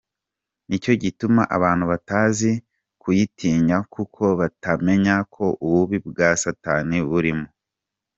Ni cyo gituma abantu batazi kuyitinya kuko batamenya ko ububi bwa Satani burimo.